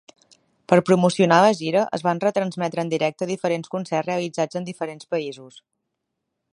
Per promocionar la gira, es van retransmetre en directe diferents concerts realitzats en diferents països.